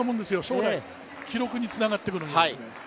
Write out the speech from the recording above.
将来記録につながってくるんです。